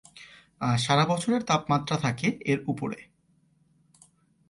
সারা বছরের তাপমাত্রা থাকে এর উপরে।